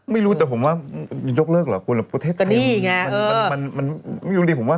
ไม่รู้แต่ผมว่ายกเลิกเหรอประเทศไทยมันไม่รู้ดีผมว่า